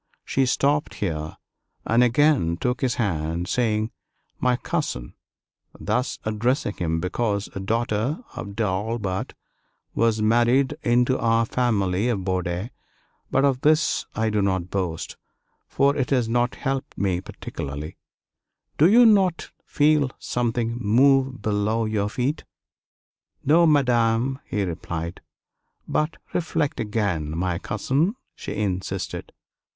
She stopped here, and again took his hand, saying, "My cousin" (thus addressing him because a daughter of D'Albret was married into our family of Bourdeille; but of this I do not boast, for it has not helped me particularly), "do you not feel something move below your feet?" "No, Madame," he replied. "But reflect again, my cousin," she insisted.